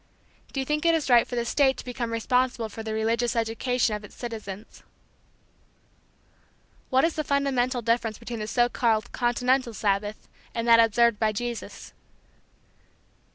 Do you think it is right for the state to become responsible for the religious education of its citizens? What is the fundamental difference between the so called "Continental Sabbath" and that observed by Jesus?